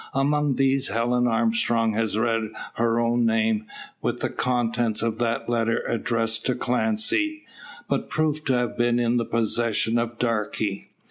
Among these Helen Armstrong has read her own name, with the contents of that letter addressed to Clancy, but proved to have been in the possession of Darke.